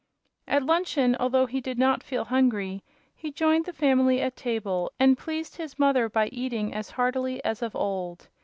At luncheon, although he did not feel hungry, he joined the family at the table and pleased his mother by eating as heartily as of old.